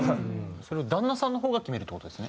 それを旦那さんの方が決めるって事ですね。